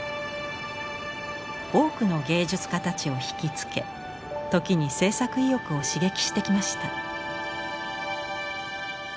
多くの芸術家たちをひきつけ時に制作意欲を刺激してきました。